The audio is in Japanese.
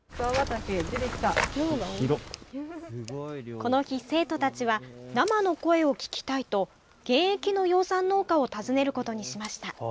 この日、生徒たちは生の声を聞きたいと現役の養蚕農家を訪ねることにしました。